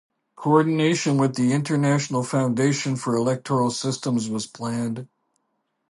Coordination with the International Foundation for Electoral Systems was planned.